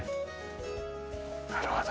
なるほど。